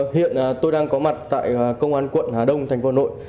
hiện tôi đang có mặt tại công an quận hà đông thành phố hà nội